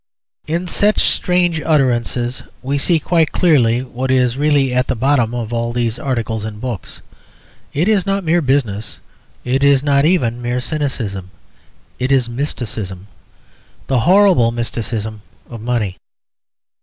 In such strange utterances we see quite clearly what is really at the bottom of all these articles and books. It is not mere business; it is not even mere cynicism. It is mysticism; the horrible mysticism of money.